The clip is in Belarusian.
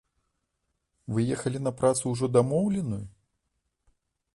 Вы ехалі на працу ўжо дамоўленую?